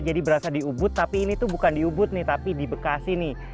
berasa di ubud tapi ini tuh bukan di ubud nih tapi di bekasi nih